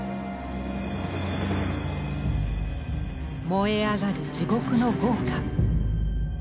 燃え上がる地獄の業火。